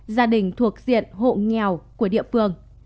gia đình thuộc diện hộ nghèo của địa phương